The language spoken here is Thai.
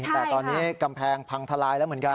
แต่ตอนนี้กำแพงพังทลายแล้วเหมือนกัน